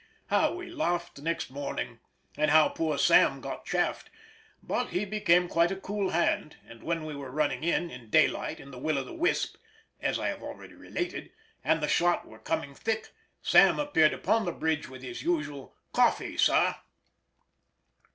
How we laughed the next morning, and how poor Sam got chaffed, but he became quite a cool hand, and when we were running in, in daylight, in the Will o the Wisp (as I have already related), and the shot were coming thick, Sam appeared upon the bridge with his usual "Coffee Sar!"